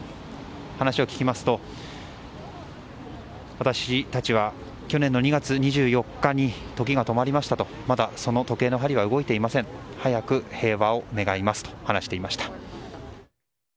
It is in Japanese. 話を聞きますと私たちは去年の２月２４日に時が止まりましたその時計の針は動いていません早く平和を願いますと話していました。